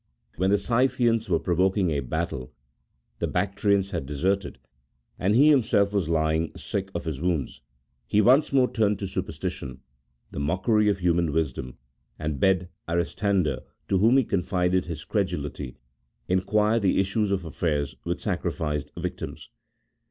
When the Scythians were pro voking a battle, the Bactrians had deserted, and he him self was lying sick of his wounds, " he once more turned to superstition, the mockery of human wisdom, and bade Aristander, to whom he confided his credulity, inquire the issue of affairs with sacrificed victims."